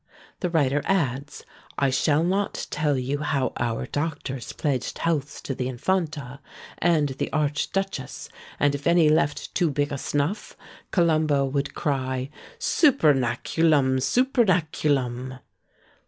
The writer adds "I shall not tell you how our doctors pledged healths to the Infanta and the arch duchess; and if any left too big a snuff, Columbo would cry, _Supernaculum! supernaculum!